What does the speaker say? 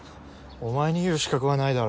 お前に言う資格はないだろ。